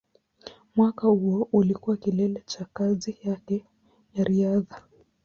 Mwaka huo ulikuwa kilele cha kazi yake ya riadha.